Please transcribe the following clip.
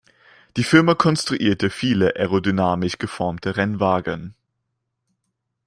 Die Firma konstruierte viele aerodynamisch geformte Rennwagen.